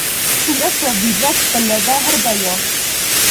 Tie troviĝas belega herbejo.